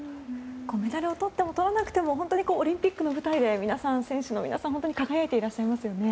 メダルをとってもとらなくてもオリンピックの舞台で選手の皆さん輝いていらっしゃいますよね。